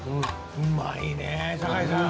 うまいね酒井さん。